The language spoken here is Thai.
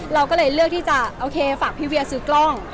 เราก็เลยเลือกที่จะโอเคฝากพี่เวียซื้อกล้อง